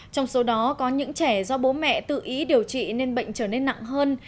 trong số đó có những trẻ do bố mẹ tự ý điều trị nên bệnh trở nên nặng hơn